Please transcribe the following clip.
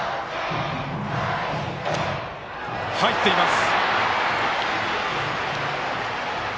入っています。